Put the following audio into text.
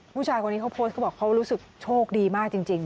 ผู้ชายคนนี้เขาโพสต์เขาบอกเขารู้สึกโชคดีมากจริง